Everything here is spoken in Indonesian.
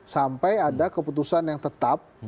sampai ada keputusan yang tetap